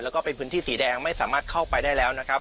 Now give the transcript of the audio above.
แล้วก็เป็นพื้นที่สีแดงไม่สามารถเข้าไปได้แล้วนะครับ